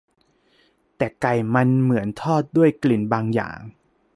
แต่ไก่มันเหมือนทอดด้วยกลิ่นบางอย่าง